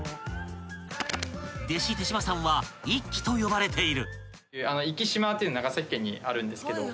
［弟子手島さんは「ＩＫＫＩ」と呼ばれている］